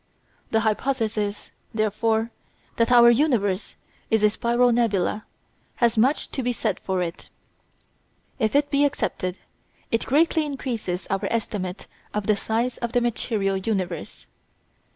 The hypothesis, therefore, that our universe is a spiral nebula has much to be said for it. If it be accepted it greatly increases our estimate of the size of the material universe.